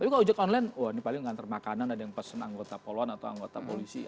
tapi kalau ojek online wah ini paling mengantar makanan ada yang pesen anggota poloan atau anggota polisi